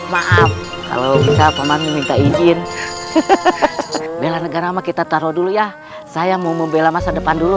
maaf kalau kita pemanu minta izin bela negara kita taruh dulu ya saya mau bela masa depan dulu